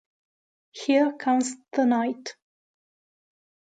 Here Comes the Night